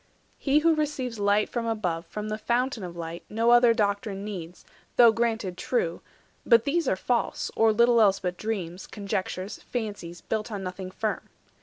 He who receives Light from above, from the Fountain of Light, No other doctrine needs, though granted true; 290 But these are false, or little else but dreams, Conjectures, fancies, built on nothing firm.